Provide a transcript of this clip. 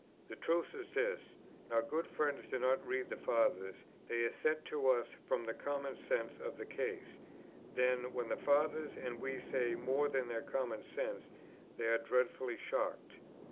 The truth is this, our good friends do not read the Fathers; they assent to us from the common sense of the case: then, when the Fathers, and we, say more than their common sense, they are dreadfully shocked.